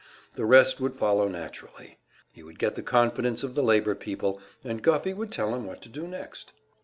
The rest would follow naturally. He would get the confidence of the labor people, and Guffey would tell him what to do next.